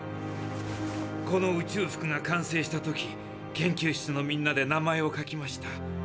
この宇宙服が完成した時研究室のみんなで名前を書きました。